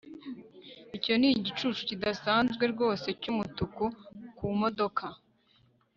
Icyo ni igicucu kidasanzwe rwose cyumutuku kumodoka